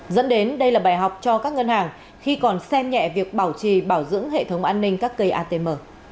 dẫn đến đây là bài học cho các ngân hàng khi còn xem nhẹ việc bảo trì bảo dưỡng hệ thống an ninh các cây atm